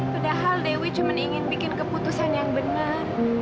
padahal dewi cuma ingin bikin keputusan yang benar